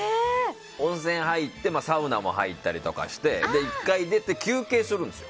温泉入って、サウナも入ったりとかして１回出て休憩するんですよ。